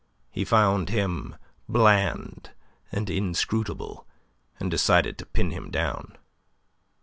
He found him bland and inscrutable, and decided to pin him down.